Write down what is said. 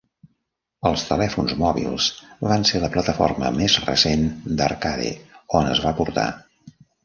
Els telèfons mòbils van ser la plataforma més recent d'arcade on es va portar.